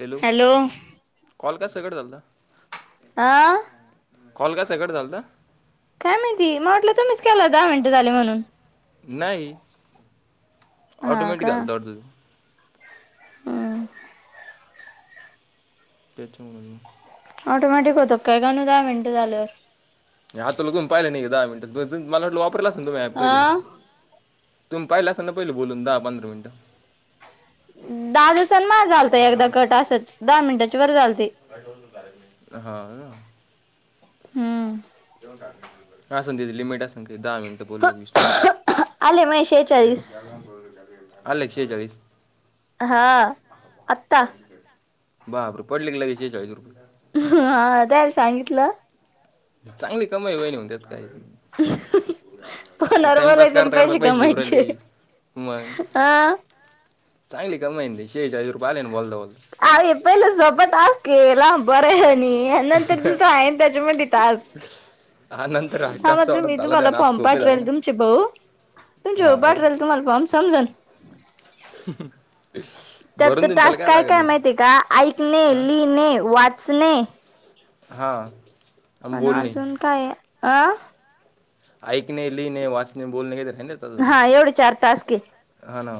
Hello call कसा cut झालता आ कॉल कसा कट झालता काय माहिती मला वाटलं तुम्हीच केला दहा मिनटं झाले म्हणून नाही ऑटोमॅटिक झालता वाटता ह त्याच्या म्ह ऑटोमॅटिक होतं काय का न दहा मिनिट झाल्यावर नाही आता लोगून पाहिले नाही दहा मिनिटात मला म्हटलं वापरलाच ना तुम्ही ऍप पहिले अ तुम्ही पाहिला असान पहिले बोलून दहा पंधरा मिनिटं दादाचा आणि माझा झालता एकदा कट असच दहा मिनटाच्या वर झालते हा ना हम्म. लिमिट असेन दहा मिनिट बोल वीस मिनिट आले माझे शेहेचाळीस आले एकशे चाळीस हा आता [unintelligible] हा त्याल सांगितलं चांगली कमाई वईणी होन त्यात काही फोनवर टाइमपास बोलायचं अन करता करता पैसे पाहिजे कमायचे उरली मगं हा चांगली कमाईे हजुय आले बोलल बोल अपला सोपटा केला बरं हाय. आणि नंतर बोलता तुझं आहे त्याच्या मती तज हा नंतर हट्ट हां म असं तुम्ही वाटत झाला द्या तुम्हाला ना आज सोपे झाले पंपाट्रेल ना तुमची भाऊ तुमच्या हा बाट राल तुम्हाला फम समजल ह त्याचा टास्क काय काय माहितीय का ऐकणे हा लिहिणे वाचणे हा ह अजून काय अ ऐकणे लिहिणे वाचणे बोलणे का तर नाहीजून हा एवढे चार टास्क आहे हा ना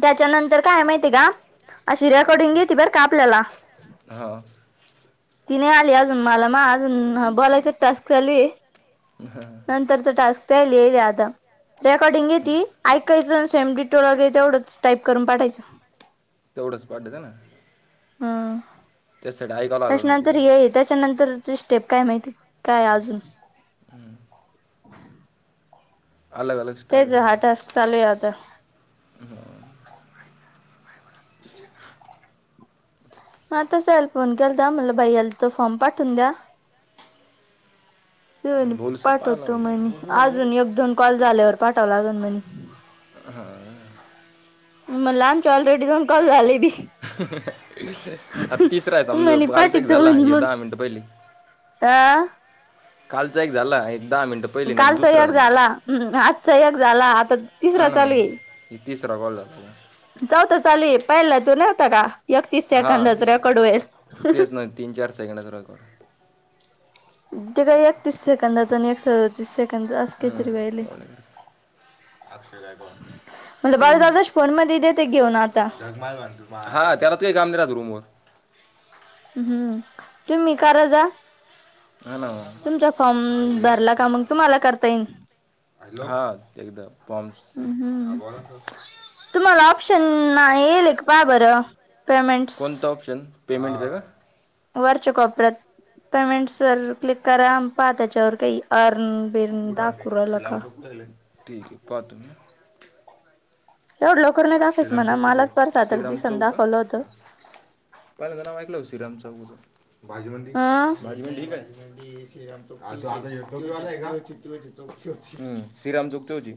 त्याच्यानंतर काय माहितीय का अ शिऱ्याकडून घेतेतती बर आपल्याला हा. ती नाही आली अजून मला म अजून बोलायचं एक टास्क झाली हां नंतर टास्क आता रेकॉर्डिंग येत ऐ काहीण सेम डिटेल वगै तेवढंच टाईप करून पाठायचं.. तेवढंच पाडत ना हा. त्याचसाठी ऐकावं लागलं ना पुरी त्याच्यानंतर हे त्याच्यानंतरचे स्टेप काय माहिती काय अजून [unintelligible] अलग अलग तेच स्टाईल हार्ड टास्क चालू आहे आता [unintelligible] [unintelligible] ते बोल पाहायला पाठवतो लागलं. म्हणे अजून एक, दोन कॉल झाल्यावर पाठाव लागल म्हणे [unintelligible] मला आमच्या ऑलरेडी जाऊन कॉल झालेली बी आ तिसरा आहे समजू म्हणे कालच एक झाला हे दहा मिनट पहिली आ कालच एक झालं कालचा एक झाला ह आजचा एक झाला आता हा तिसरा ना मग. चालू आहे हे तिसरा कॉल झाला चौथा चाले पहिलाला तू नवता का एकतीस हा सेकंदाच रेकॉर्ड होईल. तेच नाही तीन चार सेकंडच ते काय एकतीस सेकंदाच आणि एक सदतीस सेकंद अस हम्म काहीतरी वहिलेय [unintelligible] बाळूदादाच्या फोन मध्ये देते घेऊन आता हा त्यालात का काम रूमवर हम्म तुम्ही करा जा हा ना तुमचा फॉर्म भरला का मगं तुम्हाला करता येईल हा एकदम हम्म ना येल एक पा बरं पेमेंट्स कोणतं ऑप्शन पेमेंट च का वरच्या कोप्यात पेमेंट्स वर क्लिक करा पाहा त्याच्यावर काही अर सलामु ठीक आहे पा तुम्ही एवढ लोकर नाही दाखयच म्हणा मलाच परसा तर दिसन दाखवलं होत पहिलं तर नाव ऐकलं श्रीराम चौकच भाजीवंद अं भाजीवडी काय श्रीराम चक च